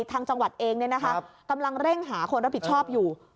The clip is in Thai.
ทางจังหวัดเองกำลังเร่งหาคนรับผิดชอบอยู่